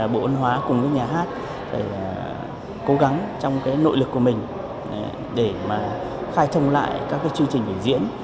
bộ văn hóa cùng với nhà hát cố gắng trong nội lực của mình để mà khai thông lại các chương trình biểu diễn